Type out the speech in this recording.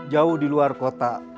jauh di luar kota